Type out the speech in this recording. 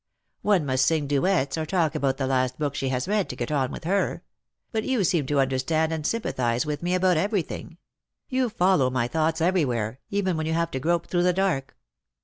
One must sing duets, or talk about the last book she has read, to get on with her ; but you seem to understand and sympathize with me about everything ; you follow my thoughts everywhere, even when you have to grope through the dark.